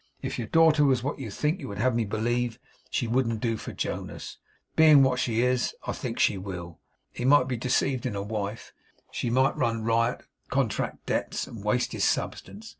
If your daughter was what you would have me believe, she wouldn't do for Jonas. Being what she is, I think she will. He might be deceived in a wife. She might run riot, contract debts, and waste his substance.